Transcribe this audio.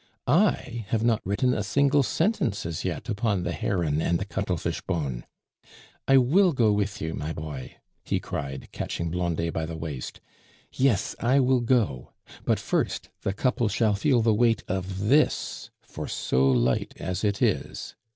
I have not written a single sentence as yet upon the Heron and the Cuttlefish bone. I will go with you, my boy," he cried, catching Blondet by the waist; "yes, I will go; but first, the couple shall feel the weight of this, for so light as it is."